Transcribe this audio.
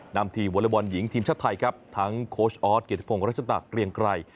นำทีวลบหญิงทีมชาติไทยทั้งโค้ชออสเกียรติภงษ์รัชฎาเกรียงไกร